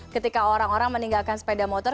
ketika orang orang meninggalkan sepeda motor